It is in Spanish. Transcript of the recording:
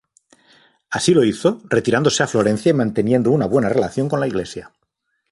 Así lo hizo, retirándose a Florencia y manteniendo una buena relación con la Iglesia.